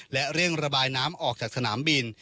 และเร่งระบายน้ำออกจากสนามบิน